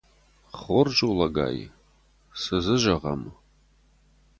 Хорз у, лӕгай, цы дзы зӕгъӕм.